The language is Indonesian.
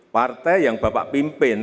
partai yang bapak pimpin